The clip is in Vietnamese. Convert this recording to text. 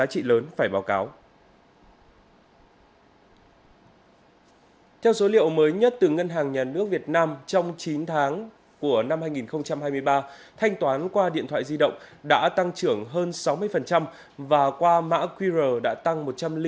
theo số liệu mới nhất từ ngân hàng nhà nước việt nam trong chín tháng của năm hai nghìn hai mươi ba thanh toán qua điện thoại di động đã tăng trưởng hơn sáu mươi và qua mã qr đã tăng một trăm linh